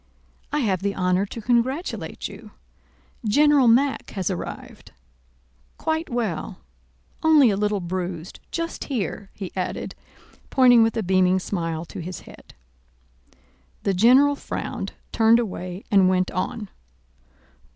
"I have the honor to congratulate you. General Mack has arrived, quite well, only a little bruised just here," he added, pointing with a beaming smile to his head. The general frowned, turned away, and went on.